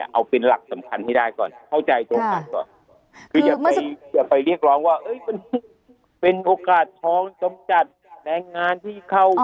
เข้าใจตัวกันก่อนอย่าไปเรียกร้องว่าเป็นโอกาสท้องจมจัดแรงงานที่เข้า